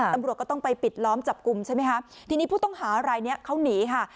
ตำรวจก็ต้องไปปิดล้อมจับกลุ่มใช่ไหมคะทีนี้ผู้ต้องหารายเนี้ยเขาหนีค่ะ